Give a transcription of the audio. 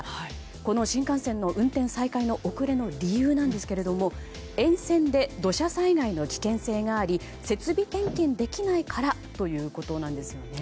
この新幹線の運転再開の遅れの理由なんですが沿線で土砂災害の危険性があり設備点検できないからということなんですね。